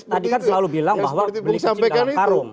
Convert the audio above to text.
tadi kan selalu bilang bahwa beli kecil dalam karung